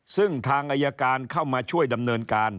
ซึ่งทางอายการเข้ามาช่วยดำเนินการ